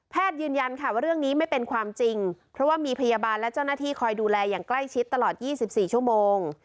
ยืนยันค่ะว่าเรื่องนี้ไม่เป็นความจริงเพราะว่ามีพยาบาลและเจ้าหน้าที่คอยดูแลอย่างใกล้ชิดตลอด๒๔ชั่วโมง